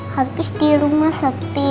habis di rumah sepi